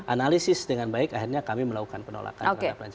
analisis dengan baik akhirnya kami melakukan penolakan